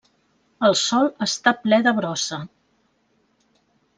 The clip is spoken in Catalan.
El sòl està ple de brossa.